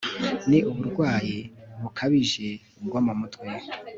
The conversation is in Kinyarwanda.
ni uburwayi bukabije bwo mu mutwe